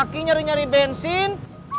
lagi nyari nyari bensin